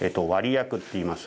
薬っていいます。